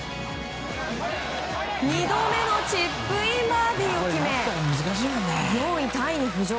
２度目のチップインバーディーを決め４位タイに浮上。